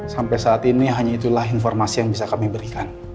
sampai saat ini hanya itulah informasi yang bisa kami berikan